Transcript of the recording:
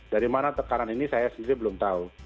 dari mana tekanan ini saya sendiri belum tahu